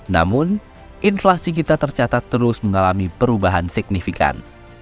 namun inflasi kita tercatat terus mengalami perubahan signifikan